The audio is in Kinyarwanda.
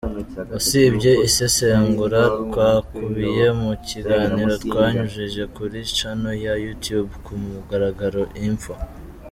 Usibye isesengura twakubiye mu kiganiro twanyujije kuri Channel ya You Tube “Ku mugaragaro info”,